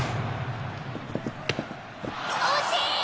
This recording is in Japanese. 惜しい！